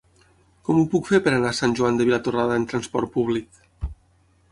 Com ho puc fer per anar a Sant Joan de Vilatorrada amb trasport públic?